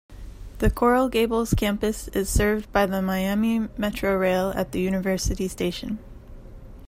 The Coral Gables campus is served by the Miami Metrorail at the University Station.